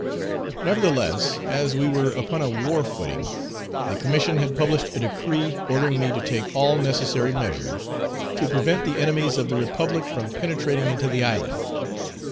Nevertheless, as we were upon a war footing, the Commission had published a decree ordering me to take all necessary measures to prevent the enemies of the Republic from penetrating into the island.